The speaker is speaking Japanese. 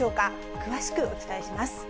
詳しくお伝えします。